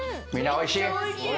・おいしい。